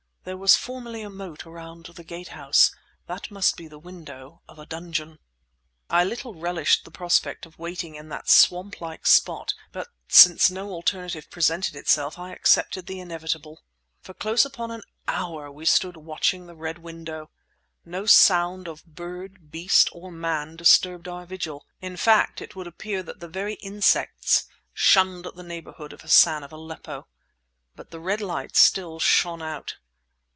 There was formerly a moat around the Gate House; that must be the window of a dungeon." I little relished the prospect of waiting in that swamp like spot, but since no alternative presented itself I accepted the inevitable. For close upon an hour we stood watching the red window. No sound of bird, beast, or man disturbed our vigil; in fact, it would appear that the very insects shunned the neighbourhood of Hassan of Aleppo. But the red light still shone out.